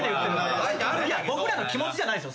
僕らの気持ちじゃないですよ。